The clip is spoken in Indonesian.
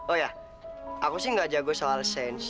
oh ya aku sih gak jago soal sense